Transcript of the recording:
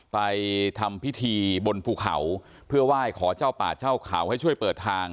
ไปทำพิธีบนภูเขาเพื่อไหว้ขอเจ้าป่าเจ้าเขาให้ช่วยเปิดทาง